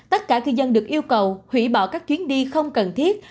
tất cả cư dân được yêu cầu hủy bỏ các chuyến đi không cần thiết